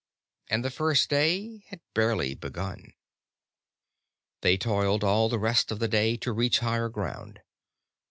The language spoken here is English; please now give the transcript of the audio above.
And the first day had barely begun. They toiled all the rest of the day to reach higher ground.